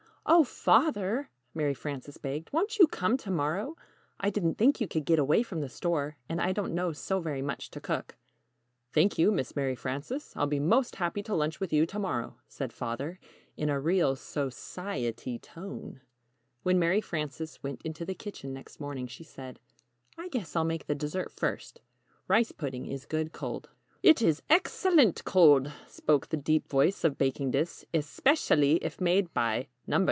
"Oh, Father," Mary Frances begged, "won't you come to morrow? I didn't think you could get away from the store, and I don't know so very much to cook." "Thank you, Miss Mary Frances, I'll be most happy to lunch with you to morrow," said Father, in a real so ci e ty tone. [Illustration: "Thank you, Miss Mary Frances."] When Mary Frances went into the kitchen next morning, she said: "I guess I'll make the dessert first; rice pudding is good cold." [Illustration: "It is ex cel lent cold."] "It is ex cel lent cold," spoke the deep voice of Baking Dish, "es pec i ally if made by NO.